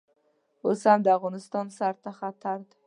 اوس هم د افغانستان سر ته خطر.